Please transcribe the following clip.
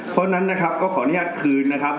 เพราะฉะนั้นนะครับก็ขออนุญาตคืนนะครับ